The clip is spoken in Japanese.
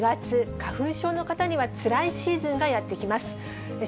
花粉症の方にはつらいシーズンがやってきます。